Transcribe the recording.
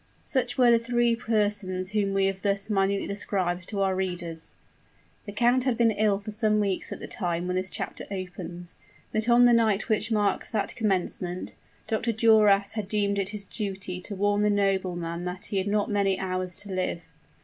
Such were the three persons whom we have thus minutely described to our readers. The count had been ill for some weeks at the time when this chapter opens; but on the night which marks that commencement, Dr. Duras had deemed it his duty to warn the nobleman that he had not many hours to live.